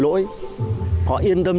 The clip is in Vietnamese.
vì vậy họ yên tâm